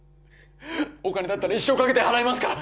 お金だったら一生かけて払いますから！